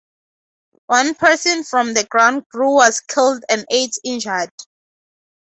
One person from the ground crew was killed and eight injured.